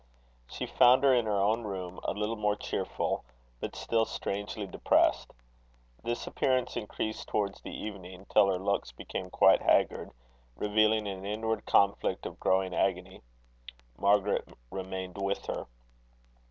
She found her in her own room, a little more cheerful, but still strangely depressed. This appearance increased towards the evening, till her looks became quite haggard, revealing an inward conflict of growing agony. Margaret remained with her.